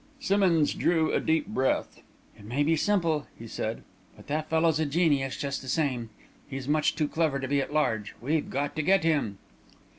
Simmonds drew a deep breath. "It may be simple," he said, "but that fellow's a genius, just the same. He's much too clever to be at large. We've got to get him!"